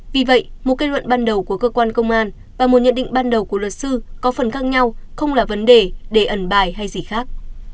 vì vậy một kết luận ban đầu của cơ quan công an và một nhận định ban đầu của luật sư có phần khác nhau không là vấn đề để ẩn bài hay gì khác